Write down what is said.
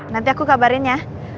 nanti aku kabarin ya